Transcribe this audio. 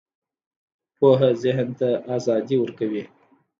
پوهه ذهن ته ازادي ورکوي